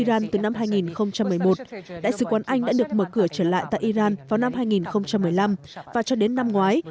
iran từ năm hai nghìn một mươi một đại sứ quán anh đã được mở cửa trở lại tại iran vào năm hai nghìn một mươi năm và cho đến năm ngoái